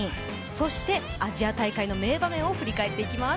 そしてアジア大会の名場面を振り返っていきます。